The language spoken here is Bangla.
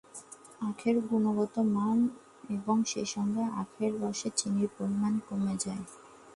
আখের গুণগত মান এবং সেসঙ্গে আখের রসে চিনির পরিমাণ কমে যায়।